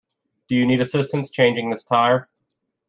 Do you need assistance changing this tire?